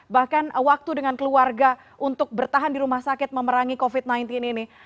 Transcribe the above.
bahkan waktu dengan keluarga untuk bertahan di rumah sakit memerangi covid sembilan belas ini